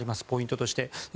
ポイントとして。